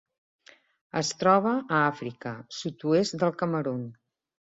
Es troba a Àfrica: sud-oest del Camerun.